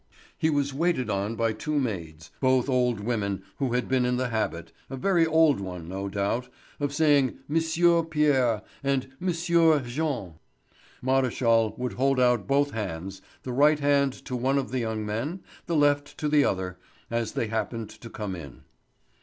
He was waited on by two maids, both old women who had been in the habit—a very old one, no doubt—of saying "Monsieur Pierre" and "Monsieur Jean." Maréchal would hold out both hands, the right hand to one of the young men, the left to the other, as they happened to come in.